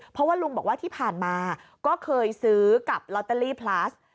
เพราะว่าลุงบอกว่าที่ผ่านมาก็เคยซื้อกับลอตเตอรี่พลัส